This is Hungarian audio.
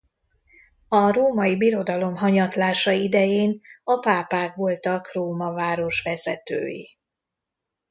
A Római Birodalom hanyatlása idején a pápák voltak Róma város vezetői.